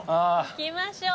行きましょう。